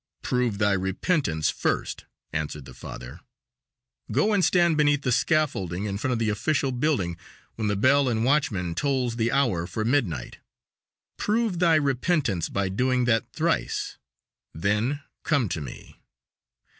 "Prove thy repentance first," answered the father; "go and stand beneath the scaffolding in front of the official building when the bell and watchman tolls the hour for midnight. Prove thy repentance by doing that thrice, then come to me."